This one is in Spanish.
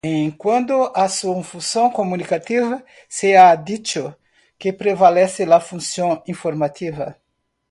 En cuanto a su función comunicativa se ha dicho que prevalece la función informativa.